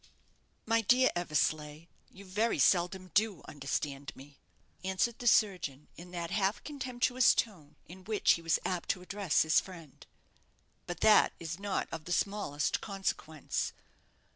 "My dear Eversleigh, you very seldom do understand me," answered the surgeon, in that half contemptuous tone in which he was apt to address his friend; "but that is not of the smallest consequence.